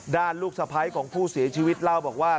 ลูกสะพ้ายของผู้เสียชีวิตเล่าบอกว่า